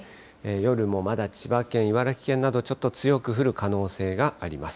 夜もまだ千葉県、茨城県など、ちょっと強く降る可能性があります。